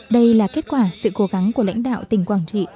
đây là kết quả sự cố gắng của lãnh đạo tỉnh quảng trị